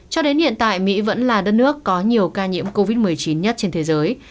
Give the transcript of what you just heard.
cho đến hiện tại mỹ vẫn là đất nước có nhiều ca nhiễm covid một mươi chín nhất trên thế giới